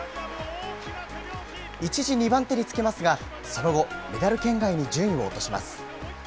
一時、２番手につけますが、その後、メダル圏外に順位を落とします。